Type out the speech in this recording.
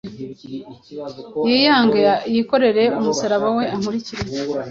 yiyange, yikorere umusaraba we, ankurikire.”